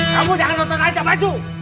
kamu jangan nonton aja baju